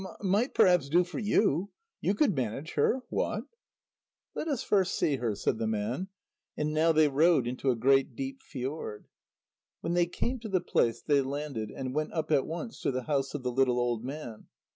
Might perhaps do for you ... you could manage her ... what?" "Let us first see her," said the man. And now they rowed into a great deep fjord. When they came to the place, they landed and went up at once to the house of the little old man.